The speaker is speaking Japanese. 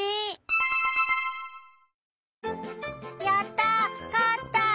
やった！